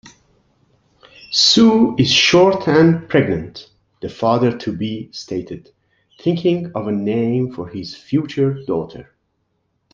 "Sue is short and pregnant", the father-to-be stated, thinking of a name for his future daughter.